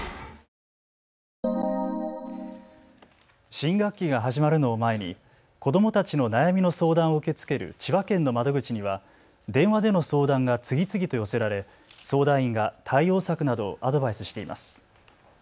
新学期が始まるのを前に子どもたちの悩みの相談を受け付ける千葉県の窓口には電話での相談が次々と寄せられ相談員が対応策などをアドバイスしています。